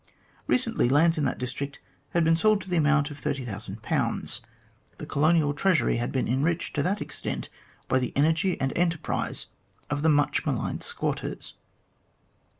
Ptecently lands in that district had been sold to the amount of 30,000. The Colonial Treasury had been enriched to that extent by the energy and enterprise of the much maligned squatters.